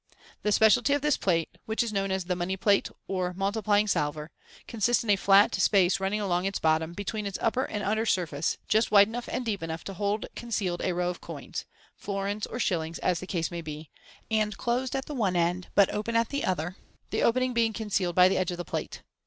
The speciality of this plate (which is known as the " money plate," or " multiplying salver ") consists in a flat space running along its bottom, between its upper and under surface, just wide enough and deep enough to hold concealed a row of coins (florins or shillings, as the case may be), and closed at the one end, but open at the other, the opening being concealed by the edge of the plate.